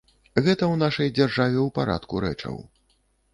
Гэта ў нашай дзяржаве ў парадку рэчаў.